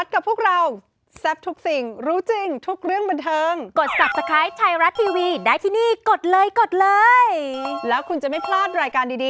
ก็รู้สึกดีใจแล้วอิ่มใจไปกับเขา